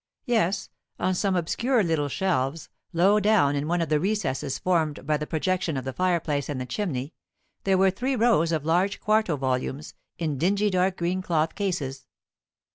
Yes, on some obscure little shelves, low down in one of the recesses formed by the projection of the fireplace and the chimney, there were three rows of large quarto volumes, in dingy dark green cloth cases.